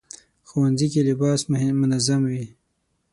ښوونځی کې لباس منظم وي